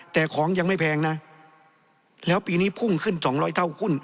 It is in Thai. แต่ของยังไม่แพงนะแล้วปีนี้พุ่งขึ้น๒๐๐เท่าหุ้น